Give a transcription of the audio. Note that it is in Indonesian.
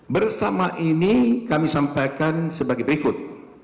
bersama ini kami sampaikan sebagai berikut